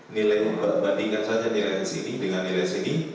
nilai membandingkan saja nilai hes ini dengan nilai hes ini